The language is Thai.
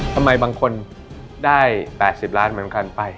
ทำไมบางคนได้๘๐ล้านบาทเหมือนกันไป